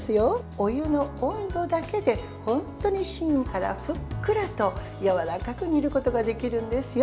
お湯の温度だけで、本当に芯からふっくらとやわらかく煮ることができるんですよ。